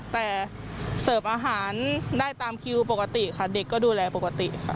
แต่เสิร์ฟอาหารได้ตามคิวปกติค่ะเด็กก็ดูแลปกติค่ะ